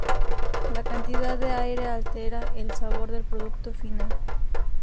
La cantidad de aire altera el sabor del producto final.